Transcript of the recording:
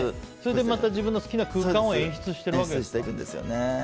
それでまた自分の好きな空間を演出していくと。